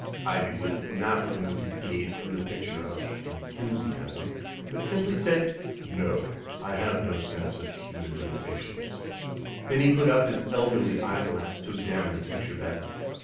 Ivywood did not remove his gaze from the picture of "Enthusiasm," but simply said "No; I have no sense of human limitations." Then he put up his elderly eyeglass to examine the picture better.